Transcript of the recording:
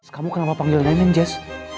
kamu kenapa panggil nenek jess